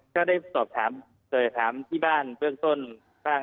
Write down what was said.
ก็ได้สอบถามที่บ้านเบื้องต้นบ้าง